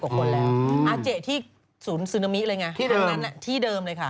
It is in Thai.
อาเจ้นี่ที่ศูนย์ซึนามิอะไรง่ายยฟังนั้นที่เดิมเลยค่ะ